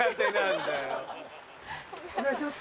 お願いします。